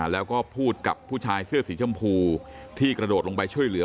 แล้วก็พูดกับผู้ชายเสื้อสีชมพูที่กระโดดลงไปช่วยเหลือ